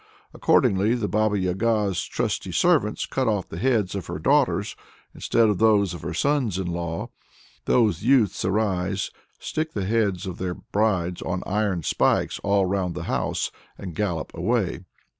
Accordingly the Baba Yaga's "trusty servants" cut off the heads of her daughters instead of those of her sons in law. Those youths arise, stick the heads of their brides on iron spikes all round the house, and gallop away.